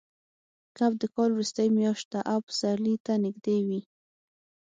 کب د کال وروستۍ میاشت ده او پسرلي ته نږدې وي.